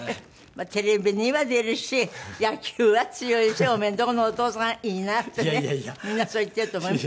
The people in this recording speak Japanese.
「テレビには出るし野球は強いしおめえんとこのお父さんいいな」ってねみんなそう言ってると思います。